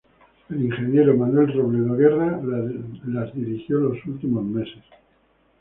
El ingeniero Manuel Robledo Guerra las dirigió los últimos meses.